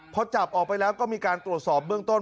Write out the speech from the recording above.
พอจับออกไปแล้วก็มีการตรวจสอบเบื้องต้น